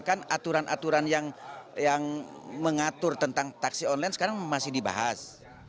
kan aturan aturan yang mengatur tentang taksi online sekarang masih dibahas